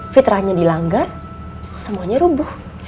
fitrahnya dilanggar semuanya rubuh